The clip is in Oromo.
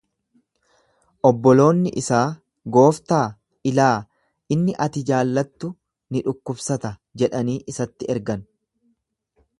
Obboloonni isaa, Gooftaa, ilaa inni ati jaallattu ni dhukkubsata jedhanii isatti ergan.